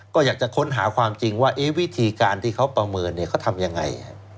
ก็อยากจะค้นหาความจริงว่าวิธีการที่เขาประเมินเขาทำยังไง